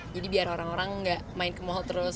jadi biar orang orang nggak main kemau terus